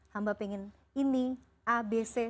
hamba pengen ini a b c